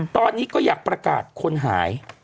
ตอนนี้ก็อยากประกาศคนหาย